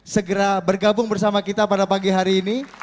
segera bergabung bersama kita pada pagi hari ini